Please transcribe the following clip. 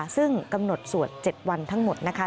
ซึ่งกำหนดสวด๗วันทั้งหมดนะคะ